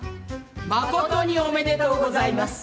誠におめでとうございます。